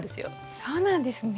そうなんですね。